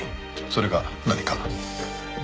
それが何か？